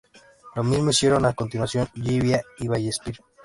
Lo mismo hicieron a continuación Llivia y Vallespir.